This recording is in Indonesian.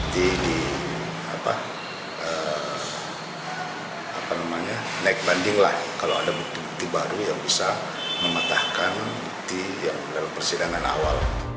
jadi apa namanya naik banding lah kalau ada bukti bukti baru yang bisa memetahkan bukti yang dalam persidangan awal